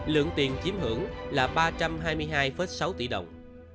lượng tiền chiếm hưởng là ba trăm hai mươi hai sáu tỷ đồng